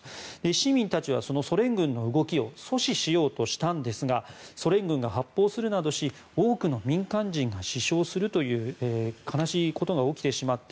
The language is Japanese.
市民たちは、そのソ連軍の動きを阻止しようとしたんですがソ連軍が発砲するなどし多くの民間人が死傷するなどする悲しいことが起きてしまって